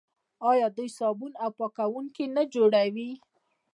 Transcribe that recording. آیا دوی صابون او پاکوونکي نه جوړوي؟